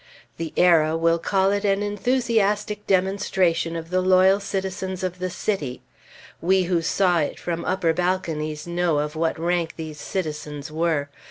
The "Era" will call it an enthusiastic demonstration of the loyal citizens of the city; we who saw it from upper balconies know of what rank these "citizens" were.